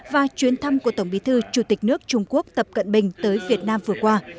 và chuyến thăm của tổng bí thư chủ tịch nước trung quốc tập cận bình tới việt nam vừa qua